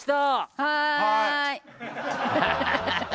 はい！